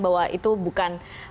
bahwa itu bukan